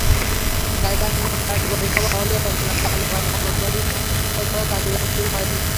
গাইবান্ধায় মোট চারটি পৌরসভা হলেও মামলার কারণে পলাশবাড়ী পৌরসভার কার্যক্রম শুরু হয়নি।